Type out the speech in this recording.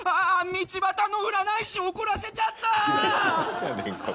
道端の占い師怒らせちゃった